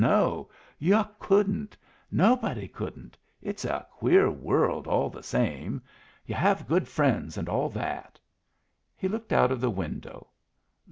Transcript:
no. Yu' couldn't. Nobody couldn't. It's a queer world, all the same. Yu' have good friends, and all that." He looked out of the window.